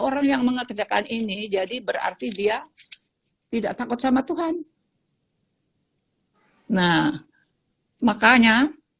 orang yang mengerjakan ini jadi berarti dia tidak takut sama tuhan hai nah makanya